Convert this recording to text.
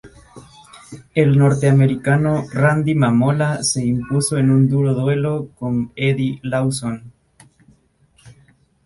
El norteamericano Randy Mamola se impuso en un duro duelo con Eddie Lawson.